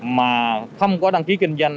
mà không có đăng ký kinh doanh